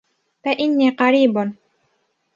فَإِنِّي قَرِيبٌ